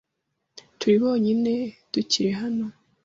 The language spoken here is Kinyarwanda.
Turi bonyine tukiri hano.